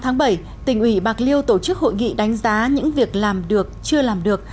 ngày bảy tỉnh ủy bạc liêu tổ chức hội nghị đánh giá những việc làm được chưa làm được